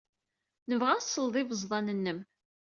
Nebɣa ad nesleḍ ibeẓḍan-nnem.